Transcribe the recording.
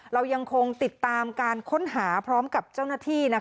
เรายังคงติดตามการค้นหาพร้อมกับเจ้าหน้าที่